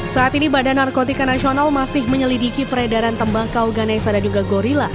saat ini badan narkotika nasional masih menyelidiki peredaran tembakau ganesa dan juga gorilla